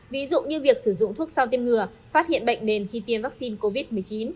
ví dụ như việc sử dụng thuốc sau tiêm ngừa phát hiện bệnh nền khi tiêm vaccine covid một mươi chín